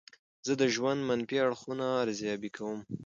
زه د ژوند منفي اړخونه ارزیابي کوم.